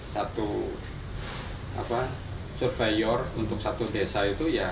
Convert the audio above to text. satu surveyor untuk satu desa itu ya